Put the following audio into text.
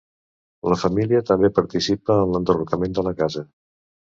La família també participa en l'enderrocament de la casa.